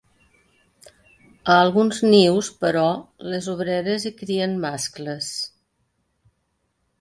A alguns nius, però, les obreres hi crien mascles.